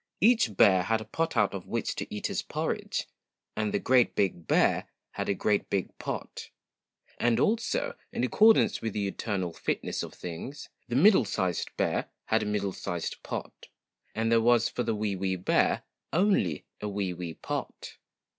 Each bear had a pot out of which to eat his porridge, and the GREAT BIG BEAR had a GREAT BIG POT, 194 and also, in accordance with the eternal fitness of things, the MIDDLE SIZED BEAR had a MIDDLE SIZED POT, and there was for the WEE WEE BEAR only a WEE WEE POT.